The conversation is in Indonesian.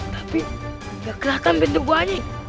tapi gak keliatan pintu gua nya